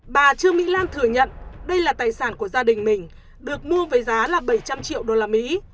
bà trương mỹ lan thừa nhận đây là tài sản của gia đình mình được mua với giá là bảy trăm linh triệu đô la mỹ